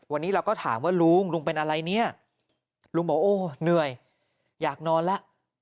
วันนี้เราก็ถามว่าลุงลุงเป็นอะไรเนี่ยลุงบอกโอ้เหนื่อยอยากนอนแล้ว